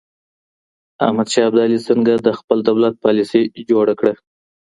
احمد شاه ابدالي څنګه د خپل دولت پاليسي جوړه کړه؟